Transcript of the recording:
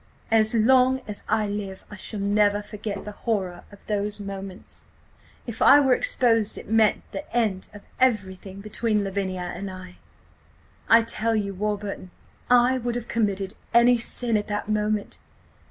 "As long as I live I shall never forget the horror of those moments. If I were exposed it meant the end of everything between Lavinia and me. I tell you, Warburton, I would have committed any sin at that moment!